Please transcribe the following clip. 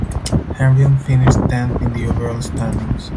Henrion finished tenth in the overall standings.